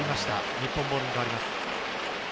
日本ボールに変わります。